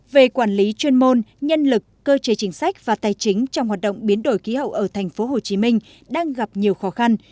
về quản lý chuyên môn nhân lực cơ chế chính sách và tài chính trong hoạt động biến đổi khí hậu ở tp hcm đang gặp nhiều khó khăn